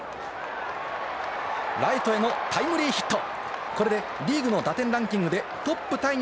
ライトへのタイムリーヒット！